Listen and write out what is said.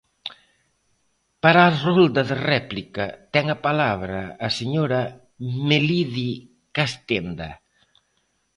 Para a rolda de réplica, ten a palabra a señora Melide Castenda.